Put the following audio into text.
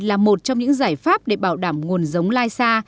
là một trong những giải pháp để bảo đảm nguồn giống lysa